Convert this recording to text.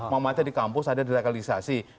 mama aja di kampus ada deradikalisasi